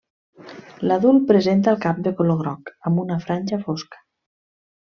L'adult presenta el cap de color groc amb una franja fosca.